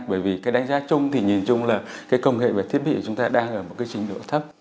bởi vì cái đánh giá chung thì nhìn chung là cái công nghệ về thiết bị của chúng ta đang ở một cái trình độ thấp